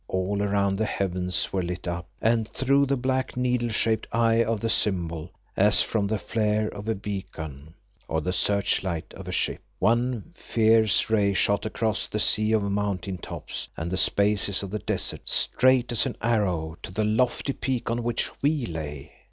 All around the heavens were lit up, and, through the black needle shaped eye of the symbol, as from the flare of a beacon, or the search light of a ship, one fierce ray shot across the sea of mountain tops and the spaces of the desert, straight as an arrow to the lofty peak on which we lay.